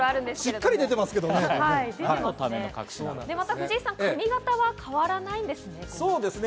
藤井さん、髪形が変わらないんですね。